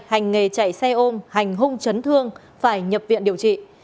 hành nghề chạy xe ôm hành hung chấn thương phải nhập viện điều trị